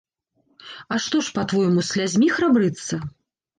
А што ж, па-твойму, слязьмі храбрыцца?